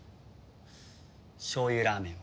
しょうゆラーメン。